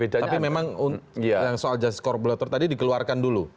tapi memang soal jas korupator tadi dikeluarkan dulu